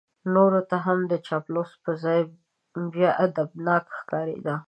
نورو ته هم د چاپلوس په ځای بیا ادبناک ښکارېده.